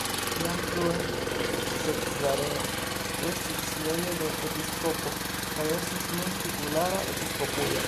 Jam frue Cezareo estis sidejo de episkopo, kaj estas nun titulara episkopujo.